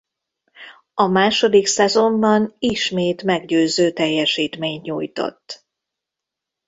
A második szezonban ismét meggyőző teljesítményt nyújtott.